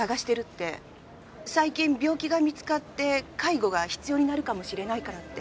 最近病気が見つかって介護が必要になるかもしれないからって。